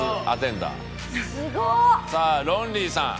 さあロンリーさん